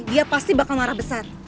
dia pasti bakal marah besar